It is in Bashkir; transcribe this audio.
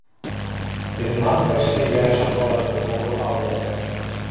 — Ғилман Кәшфигә шапылдатып һуғып алды